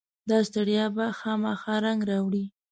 داستړیا به خامخا رنګ راوړي.